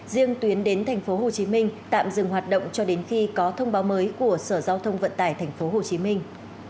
riêng tuyến đến thành phố hồ chí minh tạm dừng hoạt động cho đến khi có thông báo mới của sở giao thông vận tải thành phố hồ chí minh